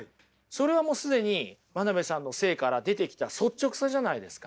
それはもう既に真鍋さんの生から出てきた率直さじゃないですか。